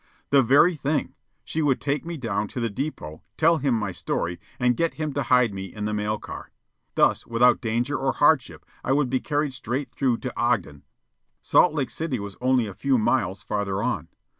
The very thing! She would take me down to the depot, tell him my story, and get him to hide me in the mail car. Thus, without danger or hardship, I would be carried straight through to Ogden. Salt Lake City was only a few miles farther on.